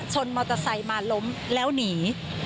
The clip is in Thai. มอเตอร์ไซค์มาล้มแล้วหนี